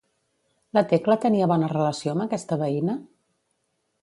La Tecla tenia bona relació amb aquesta veïna?